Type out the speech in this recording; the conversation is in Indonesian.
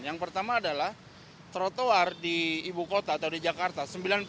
yang pertama adalah trotoar di ibu kota atau di jakarta